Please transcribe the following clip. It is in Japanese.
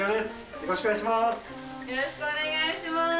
よろしくお願いします。